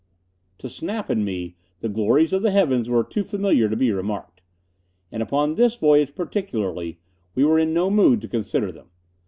To Snap and me, the glories of the heavens were too familiar to be remarked. And upon this voyage particularly we were in no mood to consider them.